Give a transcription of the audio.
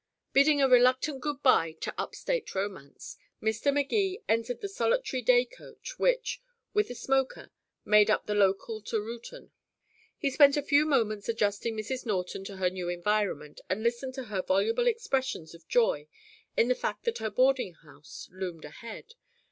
Bidding a reluctant good by to up state romance, Mr. Magee entered the solitary day coach which, with a smoker, made up the local to Reuton. He spent a few moments adjusting Mrs. Norton to her new environment, and listened to her voluble expressions of joy in the fact that her boarding house loomed ahead.